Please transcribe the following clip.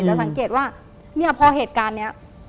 สังเกตว่าเนี่ยพอเหตุการณ์นี้